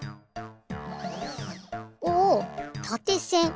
おおたてせん。